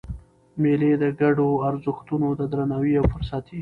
مېلې د ګډو ارزښتونو د درناوي یو فرصت يي.